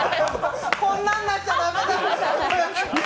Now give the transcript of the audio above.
こんなんなったら駄目だ。